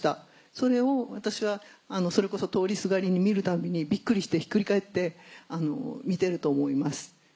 それを私はそれこそ通りすがりに見るたびにビックリしてひっくり返って見てると思います。